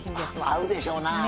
合うでしょうなぁ。